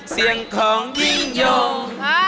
เสียงของยิ่งยง